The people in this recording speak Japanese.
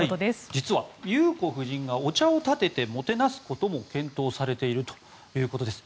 実は裕子夫人がお茶をたててもてなすことも検討されているということです。